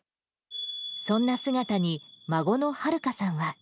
そんな姿に孫の暖さんは。